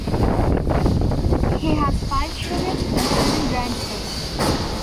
He has five children, and seven grandchildren.